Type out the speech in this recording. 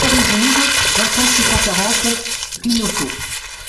un rue Rouge, vingt-cinq, six cent quarante, Rignosot